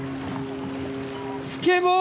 スケボー？